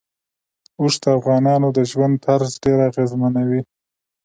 اوښ د افغانانو د ژوند طرز ډېر اغېزمنوي.